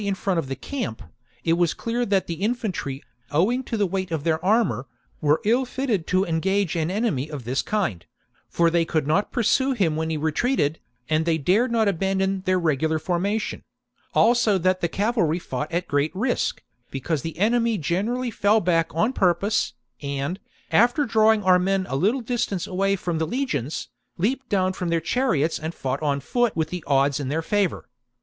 in front of the camp, it was clear that the infantry, owing to the weight of their armour, were ill fitted to engage an enemy of this kind ; for they could not pursue him when he retreated, and they dared not abandon their regular formation : also that the cavalry fought at great risk, because the enemy generally fell back on purpose, and, after drawing our men a little distance away from the legions,' leaped down from their chariots and fought on foot with the odds in their favour.